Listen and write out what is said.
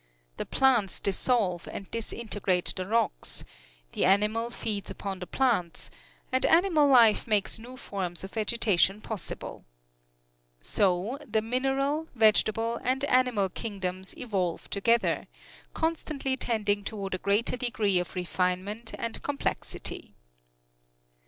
The plants dissolve and disintegrate the rocks; the animal feeds upon the plants; and animal life makes new forms of vegetation possible. So the mineral, vegetable and animal kingdoms evolve together, constantly tending toward a greater degree of refinement and complexity.